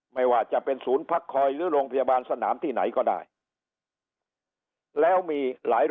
ไม่ว่าจะเป็นศูนย์พักคอยหรือโรงพยาบาลสนามที่ไหนก็ได้แล้วมีหลาย